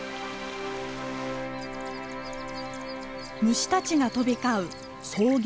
虫たちが飛び交う草原。